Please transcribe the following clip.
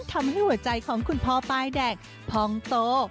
ทำให้หัวใจของคุณพ่อป้ายแดงพองโต